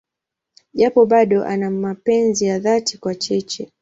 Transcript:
Japo bado ana mapenzi ya dhati kwa Cheche.